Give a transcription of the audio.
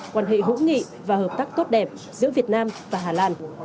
quan hệ hữu nghị và hợp tác tốt đẹp giữa việt nam và hà lan